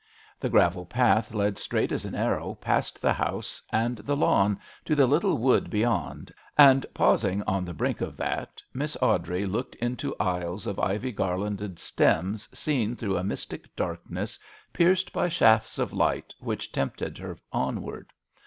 The gravel path led straight as an arrow past the house and the lawn to the little wood beyond, and pausing on the brink of that Miss Awdrey looked into aisles of ivy garlanded stems seen through a mystic darkness pierced by shafts of light which tempted her onward.